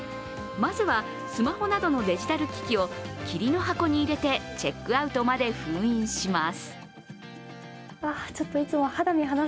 まずは、スマホなどのデジタル機器を桐の箱に入れて、チェックアウトまで封印します。